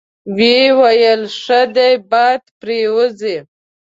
ویې ویل: ښه ده، باد پرې وځي.